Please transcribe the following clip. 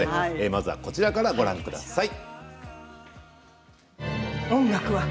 まずは、こちらからご覧ください。